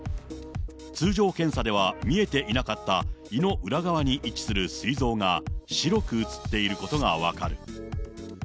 通常検査では見えていなかった胃の裏側に位置するすい臓が、白く映っていることが分かる。